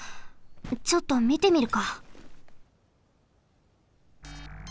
ちょっとみてみるか。